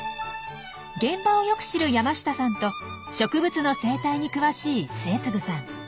現場をよく知る山下さんと植物の生態に詳しい末次さん。